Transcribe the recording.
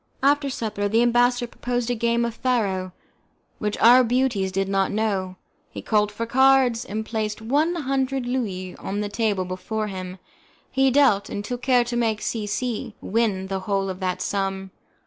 After supper, the ambassador proposed a game of faro, which our beauties did not know; he called for cards, and placed one hundred Louis on the table before him; he dealt, and took care to make C C win the whole of that sum.